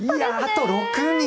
あと６人！